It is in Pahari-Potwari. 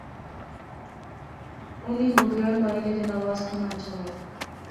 اُنی بگیاڑ ماری۔۔۔ لیکن آواز کھاناں اچھے وہا